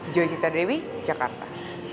joy cita dewi jakarta